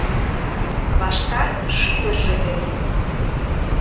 Ваштар шӱдыржӧ дене